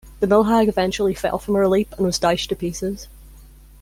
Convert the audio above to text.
The mill hag eventually fell from her leap and was dashed to pieces.